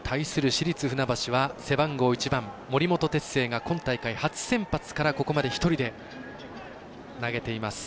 市立船橋は背番号１番森本哲星が今大会初先発からここまで１人で投げています。